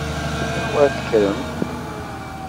A wer tekkrem!